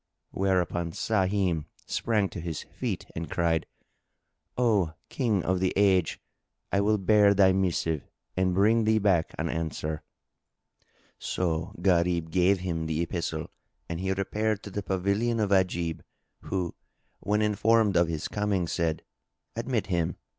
Whereupon Sahim sprang to his feet and cried, "O King of the Age, I will bear thy missive and bring thee back an answer." So Gharib gave him the epistle and he repaired to the pavilion of Ajib who, when informed of his coming, said, "Admit him!"